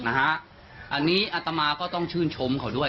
อันนี้อัตมาก็ต้องชื่นชมเขาด้วย